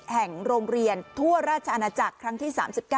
แห่งโรงเรียนทั่วราชอาณาจักรครั้งที่๓๙